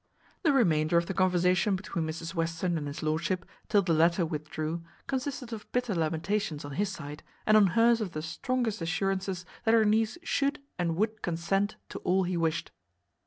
The remainder of the conversation between Mrs Western and his lordship, till the latter withdrew, consisted of bitter lamentations on his side, and on hers of the strongest assurances that her niece should and would consent to all he wished.